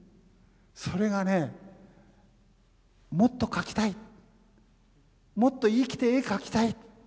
それがねもっと描きたいもっと生きて絵描きたい。